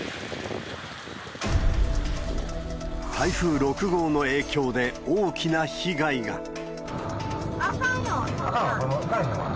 台風６号の影響で、大きな被害が。あかんよ。